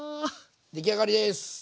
出来上がりです。